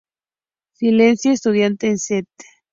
Siendo estudiante en St.